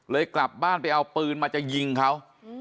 กลับบ้านไปเอาปืนมาจะยิงเขา